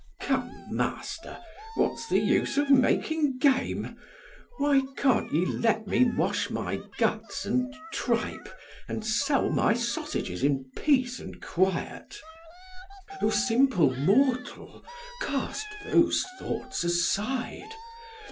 Come, master, what's the use of making game? Why can't ye let me wash my guts and tripe, And sell my sausages in peace and quiet? DEM. O simple mortal, cast those thoughts aside!